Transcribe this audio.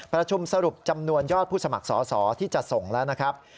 ประชุมสรุปจำนวนยอดผู้สมัครสอสอที่จะส่งแล้วนะครับ